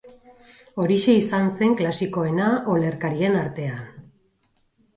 Orixe izan zen klasikoena olerkarien artean.